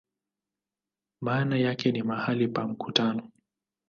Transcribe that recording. Maana yake ni "mahali pa mkutano".